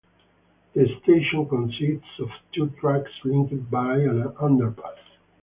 The station consists of two tracks linked by an underpass.